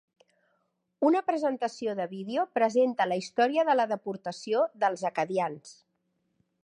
Una presentació de vídeo presenta la història de la deportació dels acadians.